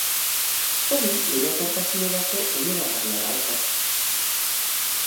Hori lehiakortasunerako onuragarria da oso.